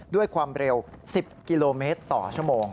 ด้วยความเร็ว๑๐กิโลเมตรต่อชั่วโมง